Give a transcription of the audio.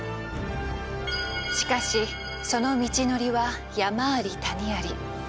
しかしその道のりは山あり谷あり。